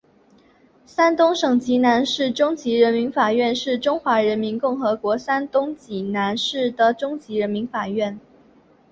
山东省济南市中级人民法院是中华人民共和国山东省济南市的中级人民法院。